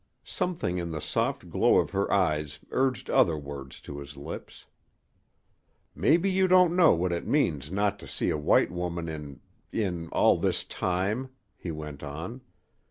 Something in the soft glow of her eyes urged other words to his lips. "Mebbe you don't know what it means not to see a white woman in in all this time," he went on.